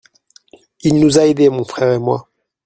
Il nous a aidés mon frère et moi.